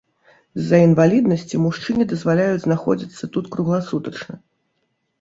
З-за інваліднасці мужчыне дазваляюць знаходзіцца тут кругласутачна.